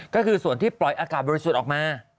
ก็คือส่วนที่ปล่อยอากาศบริสุทธิ์ออกมา